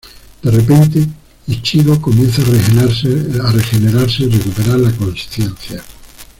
De repente Ichigo comienza a regenerarse y recupera la consciencia.